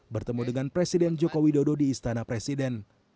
bertemu dengan presiden joko widodo di istana presiden